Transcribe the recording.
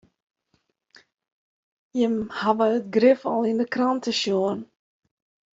Jimme hawwe it grif al yn de krante sjoen.